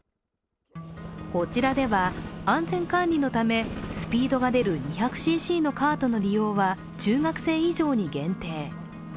こちらでは安全管理のためスピードが出る２００ｃｃのカートの利用は中学生以上に限定。